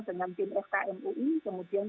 dengan pnfk mui kemudian